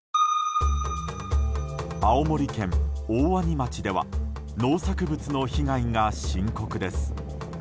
青森県大鰐町では農作物の被害が深刻です。